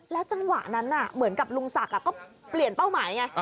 จังหวะนั้นเหมือนกับลุงศักดิ์ก็เปลี่ยนเป้าหมายไง